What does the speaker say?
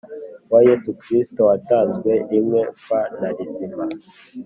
wa Yesu Kristo watanzwe e rimwe f na rizima